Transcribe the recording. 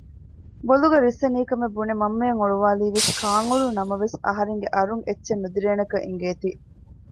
ބޮލުގަ ރިއްސަނީކަމަށް ބުނެ މަންމައަށް އޮޅުވާލީވެސް ކާން އުޅުނު ނަމަވެސް އަހަރެންގެ އަރުން އެއްޗެއް ނުދިރޭނެކަން އެނގޭތީ